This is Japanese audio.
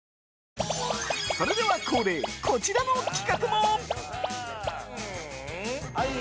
それでは恒例こちらの企画も！